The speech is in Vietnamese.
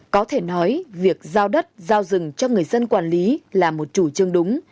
có thể nói việc giao đất giao rừng cho người dân quản lý là một chủ trương đúng